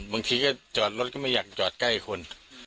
บางทีก็จอดรถก็ไม่อยากจอดใกล้คน